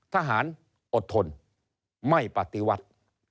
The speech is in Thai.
ทหารอดทนไม่ปฏิวัติ